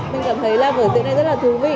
mình cảm thấy vở diễn này rất là thú vị